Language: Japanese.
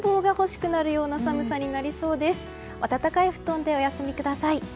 温かい布団でお休みください。